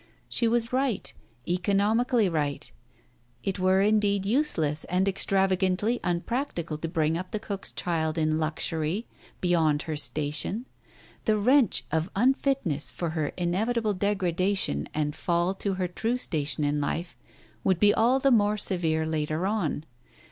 She was right, economically right ', it were indeed useless and extravagantly unprac tical to bring up the cook's child in luxury, beyond her station; the wrench of unfitness for her inevitable degradation and fall to her true station in life would be all the more severe later; on.